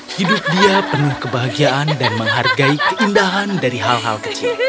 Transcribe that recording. hidup dia penuh kebahagiaan dan menghargai keindahan dari hal hal kecil